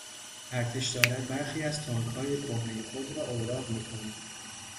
ارتش دارد برخی از تانکهای کهنهی خود را اوراق میکند.